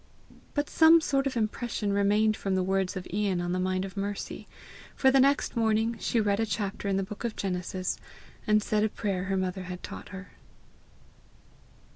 But some sort of impression remained from the words of Ian on the mind of Mercy, for the next morning she read a chapter in the book of Genesis, and said a prayer her mother had taught her.